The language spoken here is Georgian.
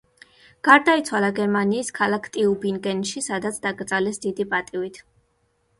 გარდაიცვალა გერმანიის ქალაქ ტიუბინგენში, სადაც დაკრძალეს დიდი პატივით.